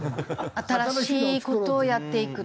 新しい事をやっていくと。